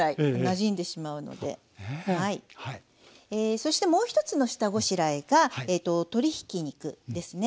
そしてもう一つの下ごしらえが鶏ひき肉ですね。